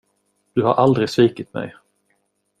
Du har aldrig svikit mig.